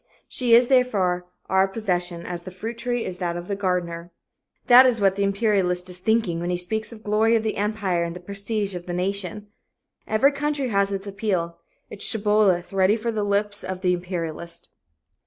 She is, therefore, our possession as the fruit tree is that of the gardener." That is what the imperialist is thinking when he speaks of the glory of the empire and the prestige of the nation. Every country has its appeal its shibboleth ready for the lips of the imperialist.